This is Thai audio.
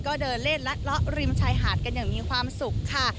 ก็เดินเล่นและเลาะริมชายหาดกันอย่างมีความสุขค่ะ